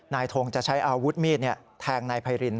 นายทงจะใช้อาวุธมีดแทงนายไพริน